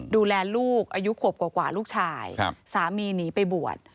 ดูแลลูกอายุขวบกว่าลูกชายสามีหนีไปบวช